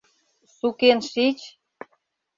— Сукен шич!